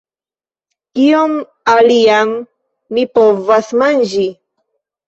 Kion alian mi povas manĝi?